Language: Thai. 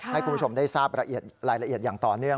ให้คุณผู้ชมได้ทราบรายละเอียดอย่างต่อเนื่อง